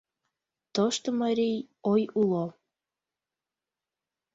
Тошто марий ой уло.